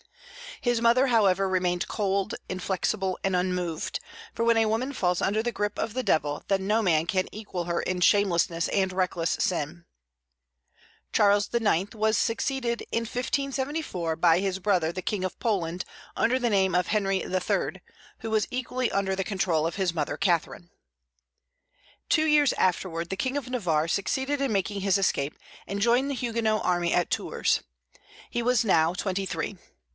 His mother however remained cold, inflexible, and unmoved, for when a woman falls under the grip of the Devil, then no man can equal her in shamelessness and reckless sin. Charles IX. was succeeded, in 1574, by his brother the King of Poland, under the name of Henry III., who was equally under the control of his mother Catherine. Two years afterward the King of Navarre succeeded in making his escape, and joined the Huguenot army at Tours. He was now twenty three.